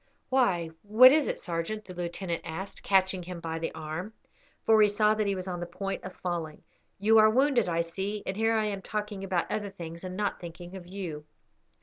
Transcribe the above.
"Why, what is it, sergeant?" the lieutenant asked, catching him by the arm, for he saw that he was on the point of falling. "You are wounded, I see; and here am I talking about other things and not thinking of you."